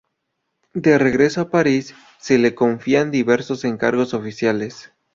De regreso a París, se le confían diversos encargos oficiales.